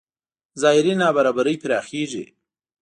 ظاهري نابرابرۍ پراخېږي.